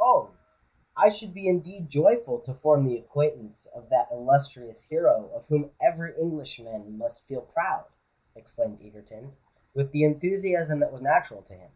"Oh! I should be indeed joyful to form the acquaintance of that illustrious hero of whom every Englishman must feel proud!" exclaimed Egerton, with the enthusiasm that was natural to him.